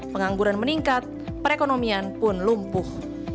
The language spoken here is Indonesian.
pengangguran meningkat perekonomian pun lumpuh